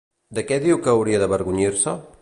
De què diu que hauria d'avergonyir-se?